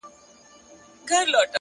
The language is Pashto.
هره ورځ د نوې زده کړې امکان لري’